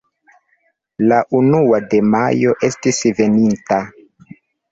La unua de Majo estis veninta.